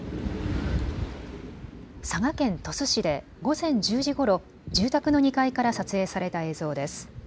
佐賀県鳥栖市で午前１０時ごろ、住宅の２階から撮影された映像です。